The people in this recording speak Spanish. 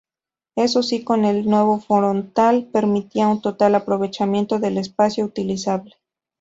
Eso si, con el nuevo frontal permitía un total aprovechamiento del espacio utilizable.